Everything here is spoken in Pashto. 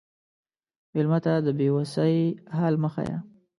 مېلمه ته د بې وسی حال مه ښیه.